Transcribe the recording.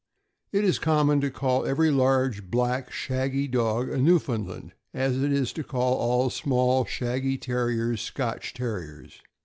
It is as common to call every large, black, shaggy dog a Newfoundland as it is to call all small, shaggy Terriers Scotch Terriers.